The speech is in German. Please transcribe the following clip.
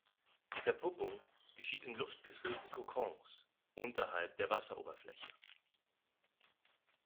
Die Verpuppung geschieht in luftgefüllten Kokons unterhalb der Wasseroberfläche.